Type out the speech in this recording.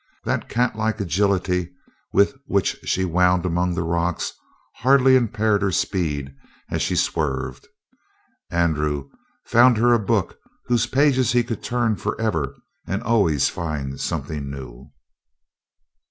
That catlike agility with which she wound among the rocks, hardly impaired her speed as she swerved. Andrew found her a book whose pages he could turn forever and always find something new.